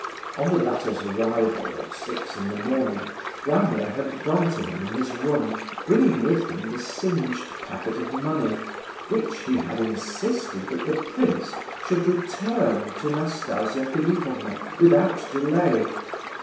On the latter's arrival, at six in the morning, Gania had gone to him in his room, bringing with him the singed packet of money, which he had insisted that the prince should return to Nastasia Philipovna without delay.